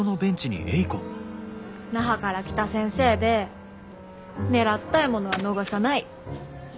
那覇から来た先生で狙った獲物は逃さない。